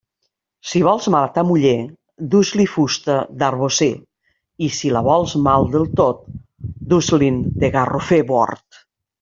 Si vols mal a ta muller, dus-li fusta d'arbocer; i si la vols mal del tot, dus-li'n de garrofer bord.